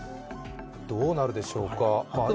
どうなるでしょうか。